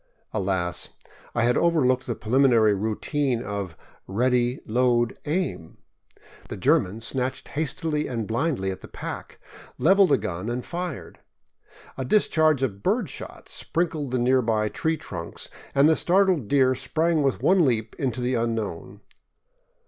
Alas ! I had overlooked the preliminary routine of Ready ! Load ! Aim !" The German snatched hastily and blindly at the pack, leveled a gun, and fired. A discharge of bird shot sprinkled the nearby tree trunks, and the startled deer sprang with one leap into the unknown.